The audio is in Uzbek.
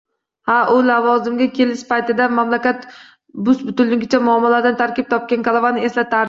Ha, u lavozimga kelish paytida mamlakat bus-butunligicha muammolardan tarkib topgan kalavani eslatardi